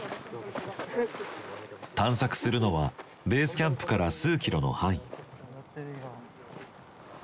探索するのはベースキャンプから数キロの範囲。